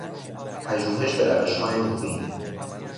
پژوهش به روشهای نوین